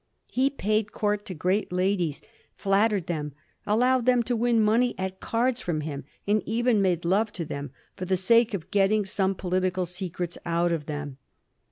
He paid court to great ladies, flattered them, allowed them to win money at cards from him, and even made love to them, for the sake of getting some political secrets out of them.